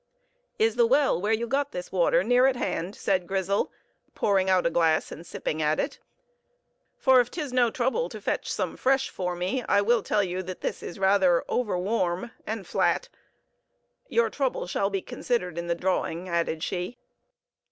"Is the well where you got this water near at hand?" said Grizel, pouring out a glass and sipping at it; "for if 'tis no trouble to fetch some fresh for me, I will tell you this is rather over warm and flat. Your trouble shall be considered in the dawing," added she.